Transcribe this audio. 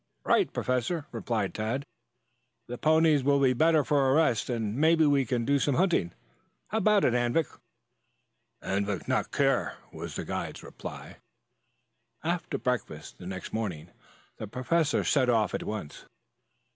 "Right, Professor," replied Tad. "The ponies will be better for a rest, and maybe we can do some hunting. How about it, Anvik?" "Anvik not care," was the guide's reply. After breakfast the next morning the Professor set off at once.